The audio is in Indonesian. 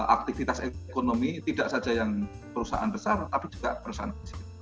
aktivitas ekonomi tidak saja yang perusahaan besar tapi juga perusahaan